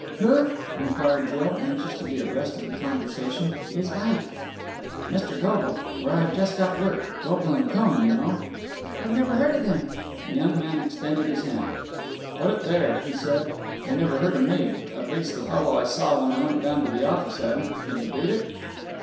"Who," enquired Jill, anxious to be abreast of the conversation, "is Ike?" "Mr. Goble. Where I've just got work. Goble and Cohn, you know." "I never heard of them!" The young man extended his hand. "Put it there!" he said. "They never heard of me! At least, the fellow I saw when I went down to the office hadn't! Can you beat it!"